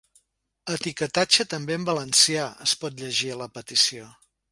Etiquetatge també en valencià!, es pot llegir a la petició.